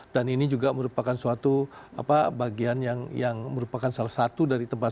dan ini juga merupakan suatu bagian yang merupakan salah satu dari tempat